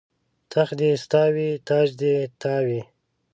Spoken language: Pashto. تخت دې ستا وي تاج دې ستا وي